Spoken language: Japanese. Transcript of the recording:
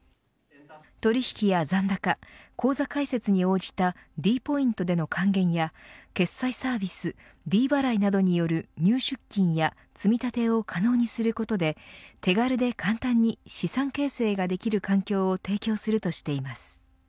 取引や残高、口座開設に応じたｄポイントでの還元や決済サービスｄ払いなどによる入出金や積み立てを可能にすることで手軽で簡単に資産形成ができる環境を提供するとしています。